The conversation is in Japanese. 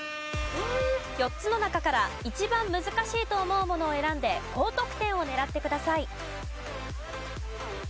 ４つの中から一番難しいと思うものを選んで高得点を狙ってください。